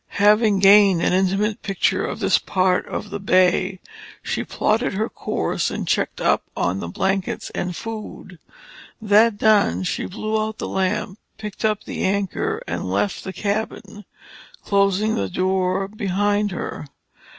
Having gained an intimate picture of this part of the bay, she plotted her course, and checked up on the blankets and food. That done, she blew out the lamp, picked up the anchor and left the cabin, closing the door behind her.